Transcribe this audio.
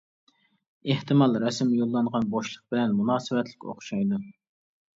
ئېھتىمال رەسىم يوللانغان بوشلۇق بىلەن مۇناسىۋەتلىك ئوخشايدۇ.